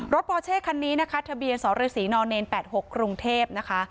รถปอเช่คันนี้นะคะทะเบียนสฤษน๘๖กรุงเทพฯนะคะ